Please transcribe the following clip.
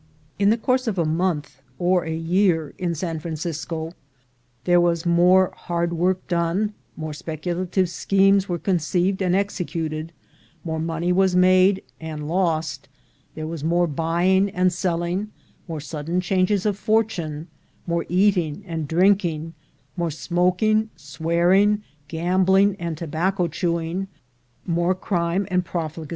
In the course of a month, or a year, in San Fran cisco, there was more hard work done, more specula tive schemes were conceived and executed, more money was made and lost, there was more buying and selling, more sudden changes of fortune, more eating and drinking, more smoking, swearing, gambling, and tobacco chewing, more crime and profligacy.